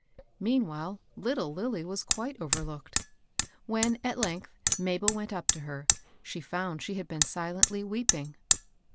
Meanwhile, Kttle Lilly was quite overlooked. 120 ICABEL BOSS. When, at l^igth, Mabel went np to her, she found she had been sQentlj weeping.